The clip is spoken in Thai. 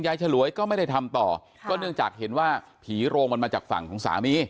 ฉลวยก็ไม่ได้ทำต่อก็เนื่องจากเห็นว่าผีโรงมันมาจากฝั่งของสามี